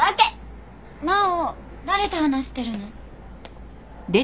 真央誰と話してるの？